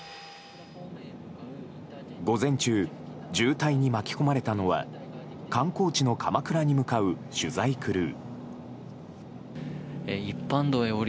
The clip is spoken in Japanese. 午前中渋滞に巻き込まれたのは観光地の鎌倉に向かう取材クルー。